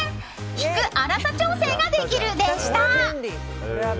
ひく粗さ調整できるでした。